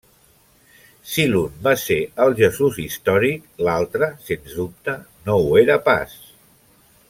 Si l'un va ser el Jesús històric, l'altre sens dubte no ho era pas.